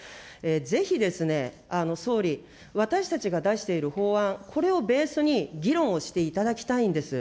ぜひですね、総理、私たちが出している法案、これをベースに議論をしていただきたいんです。